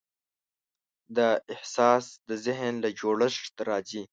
دا احساس د ذهن له جوړښت راځي.